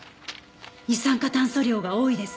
二酸化炭素量が多いですね。